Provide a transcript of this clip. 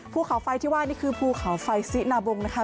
ภูเขาไฟที่ว่านี่คือภูเขาไฟซินาบงนะคะ